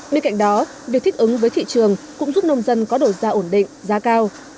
bên cạnh đó việc thích ứng với thị trường cũng giúp nông dân có đổi da ổn định da cao